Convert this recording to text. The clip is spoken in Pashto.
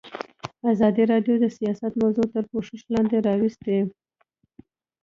ازادي راډیو د سیاست موضوع تر پوښښ لاندې راوستې.